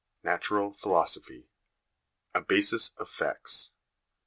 NATURAL PHILOSOPHY A Basis of Facts.